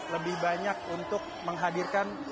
lebih banyak untuk menghadirkan